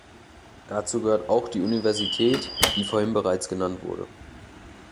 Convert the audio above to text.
Dazu gehört auch die Universität, die vorhin bereits genannt wurde.